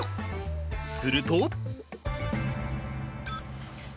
すると。